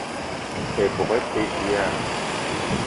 Ebok e pe dilaah?